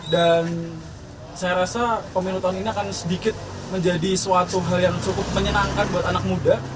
dan saya rasa pemilu tahun ini akan sedikit menjadi suatu hal yang cukup menyenangkan buat anak muda